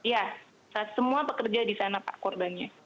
ya semua pekerja di sana pak korbannya